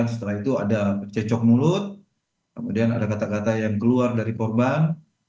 setelah itu ada cecok mulut kemudian ada kata kata yang keluar dari korban